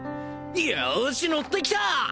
よしのってきた！